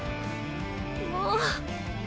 もう。